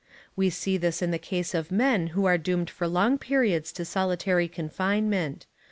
We see this in the case of men who are doomed for long periods to solitary confinement.